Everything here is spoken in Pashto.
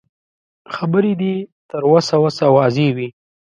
خبرې دې يې تر وسه وسه واضح وي.